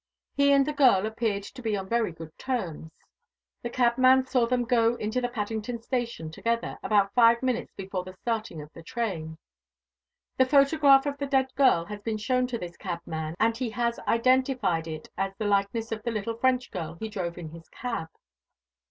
He and the girl appeared to be on very good terms. The cabman saw them go into the Paddington Station together, about five minutes before the starting of the train. The photograph of the dead girl has been shown to this cabman, and he has identified it as the likeness of the little French girl he drove in his cab."